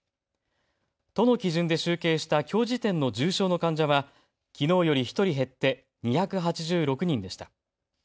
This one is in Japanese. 都の基準で集計したきょう時点の重症の患者はきのうより１人減って２８６人でした。